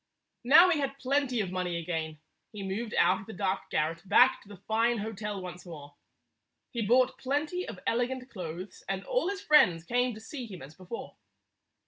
Now he had plenty of money again. He moved out of the dark garret back to the fine 1 68 hotel once more. He bought plenty of elegant clothes, and all his friends came to see him as before.